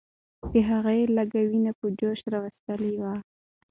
د هغې ږغ ويني په جوش راوستلې وې.